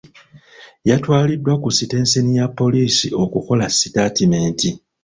Yatwaliddwa ku sitenseni ya poliisi okukola sitatimenti.